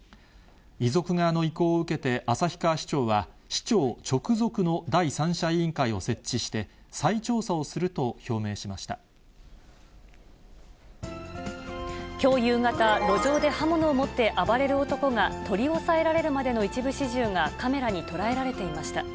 遺族側の意向を受けて、旭川市長は市長直属の第三者委員会を設置して、再調査をすると表きょう夕方、路上で刃物を持って暴れる男が、取り押さえられるまでの一部始終